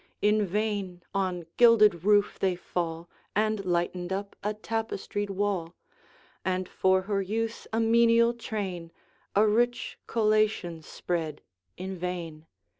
In vain on gilded roof they fall, And lightened up a tapestried wall, And for her use a menial train A rich collation spread in vain.